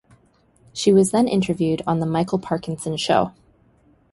She was then interviewed on the "Michael Parkinson Show".